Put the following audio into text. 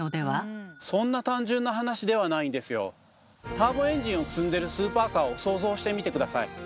ターボエンジンを積んでるスーパーカーを想像してみて下さい。